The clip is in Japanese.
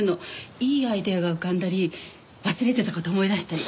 いいアイデアが浮かんだり忘れてた事思い出したり。